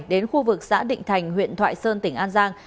đến khu vực xã định thành huyện thoại sơn tỉnh an giang